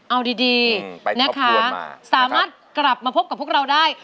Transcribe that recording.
เอาดีนะคะสามารถกลับมาพบกับพวกเราได้